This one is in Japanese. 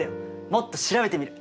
もっと調べてみる。